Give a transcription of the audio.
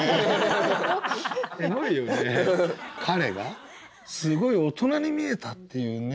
彼がすごい大人に見えたっていうね。